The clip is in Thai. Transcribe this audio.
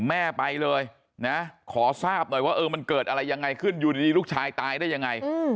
แม่ไปเลยนะขอทราบหน่อยว่าเออมันเกิดอะไรยังไงขึ้นอยู่ดีลูกชายตายได้ยังไง